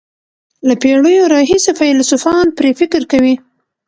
له پېړیو راهیسې فیلسوفان پرې فکر کوي.